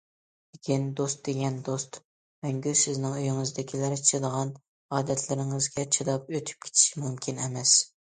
لېكىن دوست دېگەن دوست، مەڭگۈ سىزنىڭ ئۆيىڭىزدىكىلەر چىدىغان ئادەتلىرىڭىزگە چىداپ ئۆتۈپ كېتىشى مۇمكىن ئەمەس.